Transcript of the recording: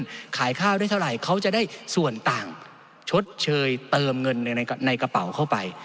ขายข้าวได้เท่าไหร่เขาจะได้ส่วนต่างชดเชยเติมเงินในกระเป๋าเข้าไป